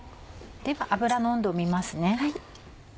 では油の温度を見ますね。